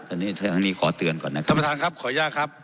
อันนี้ขอเตือนก่อนนะท่านประธานครับขออนุญาตครับ